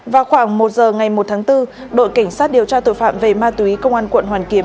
vào khoảng một giờ ngày một tháng bốn đội cảnh sát điều tra tội phạm về ma túy công an quận hoàn kiếm